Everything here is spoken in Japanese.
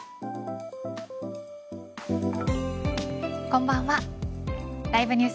こんばんは。